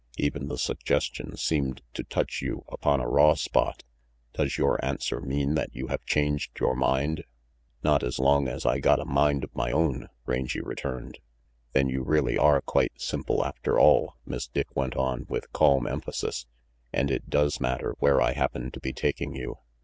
Even the suggestion seemed to touch you upon a raw spot. Does your answer mean that you have changed your mind?" "Not as long as I got a mind of my own," Rangy returned. "Then you really are quite simple after all," Miss Dick went on, with calm emphasis, "and it does matter where I happen to be taking you.